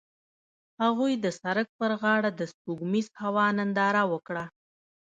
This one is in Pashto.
هغوی د سړک پر غاړه د سپوږمیز هوا ننداره وکړه.